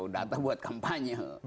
data buat kampanye